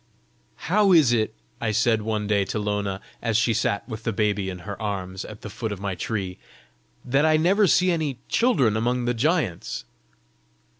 "How is it," I said one day to Lona, as she sat with the baby in her arms at the foot of my tree, "that I never see any children among the giants?"